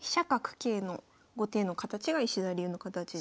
桂の後手の形が石田流の形ですね。